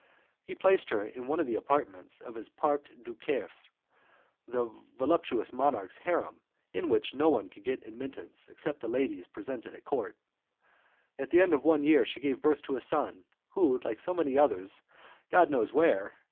He placed her in one of the apartments of his Parc dux cerfs the voluptuous monarch's harem, in which no one could get admittance except the ladies presented at the court. At the end of one year she gave birth to a son who went, like so many others, God knows where!